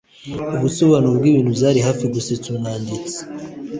ubusobanuro bwibintu byari hafi gusetsa umwanditsi